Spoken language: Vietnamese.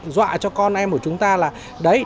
dọa cho con em của chúng ta